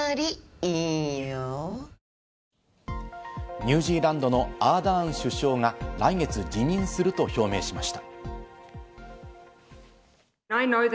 ニュージーランドのアーダーン首相が来月、辞任すると表明しました。